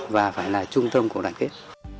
và phải là trung tâm của đoàn kết